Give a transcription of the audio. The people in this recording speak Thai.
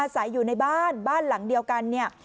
ใส่อยู่ในบ้านบ้านหลังเดียวกันเนี่ย